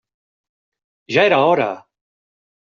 Ja era hora!